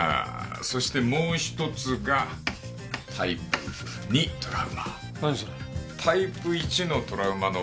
そしてもう１つがタイプ２トラウマ。